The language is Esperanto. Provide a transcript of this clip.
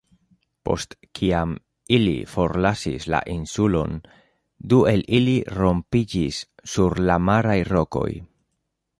Post kiam ili forlasis la insulon, du el ili rompiĝis sur la maraj rokoj.